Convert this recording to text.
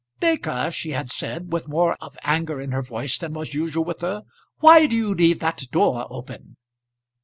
"Baker," she had said, with more of anger in her voice than was usual with her, "why do you leave that door open?"